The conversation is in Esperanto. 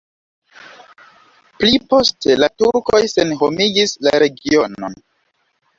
Pli poste la turkoj senhomigis la regionon.